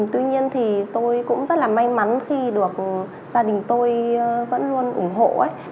tuy nhiên thì tôi cũng rất là may mắn khi được gia đình tôi vẫn luôn ủng hộ